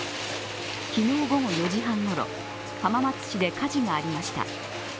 昨日午後４時半ごろ、浜松市で火事がありました。